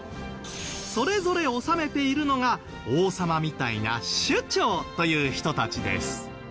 それぞれ治めているのが王様みたいな「首長」という人たちです。